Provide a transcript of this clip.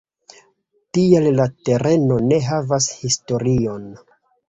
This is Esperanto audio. Tial la tereno ne havas historion.